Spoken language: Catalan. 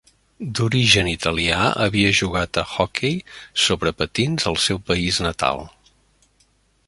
D'origen italià, havia jugat a hoquei sobre patins al seu país natal.